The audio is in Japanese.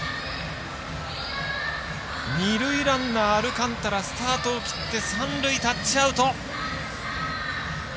二塁ランナー、アルカンタラスタートを切って三塁タッチアウト。